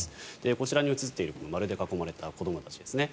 こちらに映っている丸で囲まれた子どもたちですね。